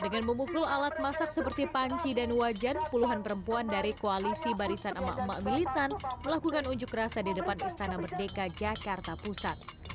dengan memukul alat masak seperti panci dan wajan puluhan perempuan dari koalisi barisan emak emak militan melakukan unjuk rasa di depan istana merdeka jakarta pusat